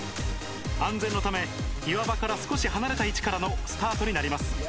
安全のため岩場から少し離れた位置からのスタートになります。